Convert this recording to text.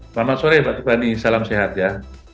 selamat sore pak kepani salam sehat ya